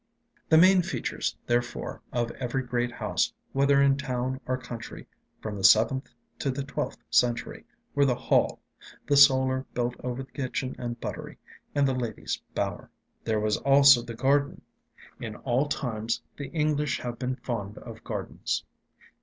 The main features, therefore, of every great house, whether in town or country, from the seventh to the twelfth century, were the hall, the solar built over the kitchen and buttery, and the ladies' bower. There was also the garden. In all times the English have been fond of gardens.